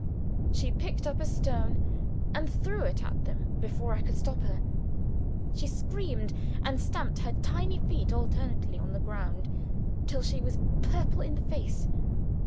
She picked up a stone, and threw it at them before I could stop her. She screamed, and stamped her tiny feet alternately on the ground, till she was purple in the face.